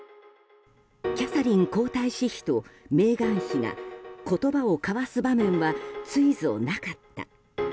キャサリン皇太子妃とメーガン妃が言葉を交わす場面はついぞなかった。